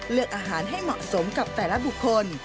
เลือกอาหารให้เหมาะสมกับแต่ละบุคคล